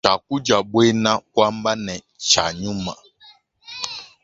Tshiakudia buena kuamba ne tshia nyuma.